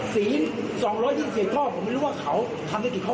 ศีล๒๒๔ข้อผมไม่รู้ว่าเขาทำได้กี่ข้อ